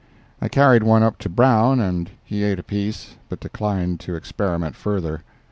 I carried one up to Brown and he ate a piece, but declined to experiment further.